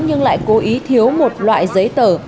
nhưng lại cố ý thiếu một loại giấy tờ